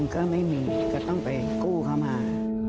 ก็ไม่มีก็ต้องไปกู้เข้ามา